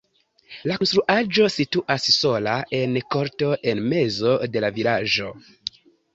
La konstruaĵo situas sola en korto en mezo de la vilaĝo.